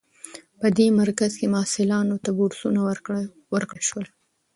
په دې مرکز کې محصلانو ته بورسونه ورکړل شول.